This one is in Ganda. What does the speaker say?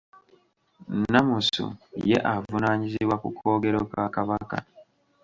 Nnamusu ye avunaanyizibwa ku koogero ka Kabaka.